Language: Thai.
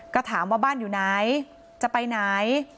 ก็ถามว่าบ้านอยู่ไหนจะไปไหน